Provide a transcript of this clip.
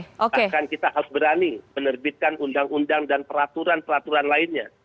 bahkan kita harus berani menerbitkan undang undang dan peraturan peraturan lainnya